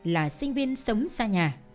là sinh viên sống xa nhà